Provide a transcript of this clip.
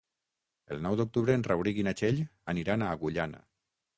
El nou d'octubre en Rauric i na Txell aniran a Agullana.